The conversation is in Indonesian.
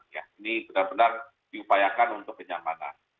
ini benar benar diupayakan untuk kenyamanan